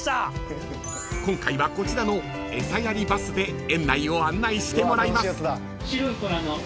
［今回はこちらのエサやりバスで園内を案内してもらいます］